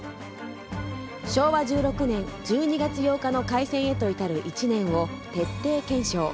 昭和１６年１２月８日の開戦へと至る１年を徹底検証。